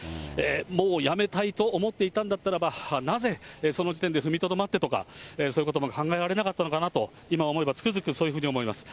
もうやめたいと思っていたんだったらば、なぜその時点で踏みとどまってとか、そういうことも考えられなかったのかなと、今思えば、つくづくそういうふうに思います。